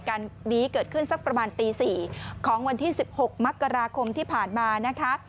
การดีเกิดขึ้นสักประมาณตี๔ของวันที่๑๖มคที่ผ่านมา